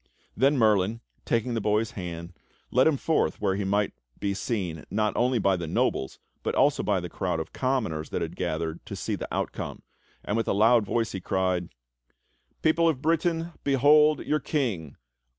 Then Merlin, taking the boy's hand, led him forth where he might be seen not only by the nobles, but also by the crowd of commoners that had gathered to see the outcome; and with a loud voice he cried: "People of Britain, behold your King!